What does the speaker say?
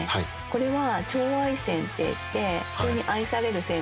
これは。